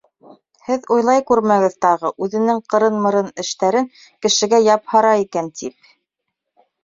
Һеҙ уйлай күрмәгеҙ тағы, үҙенең ҡырын-мырын эштәрен кешегә япһара икән тип.